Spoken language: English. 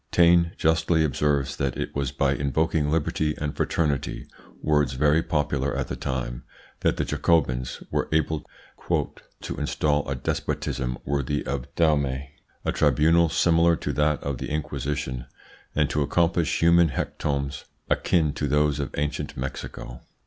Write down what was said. Taine justly observes that it was by invoking liberty and fraternity words very popular at the time that the Jacobins were able "to install a despotism worthy of Dahomey, a tribunal similar to that of the Inquisition, and to accomplish human hecatombs akin to those of ancient Mexico."